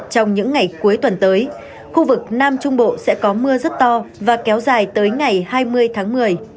trong những ngày cuối tuần tới khu vực nam trung bộ sẽ có mưa rất to và kéo dài tới ngày hai mươi tháng một mươi